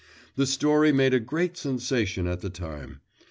… The story made a great sensation at the time.